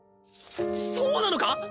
そうなのか！？